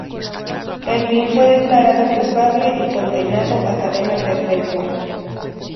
Ervin fue declarado culpable y condenado a cadena perpetua.